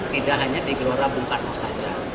tidak hanya di gelora bung karno saja